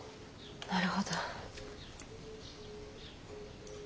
なるほど。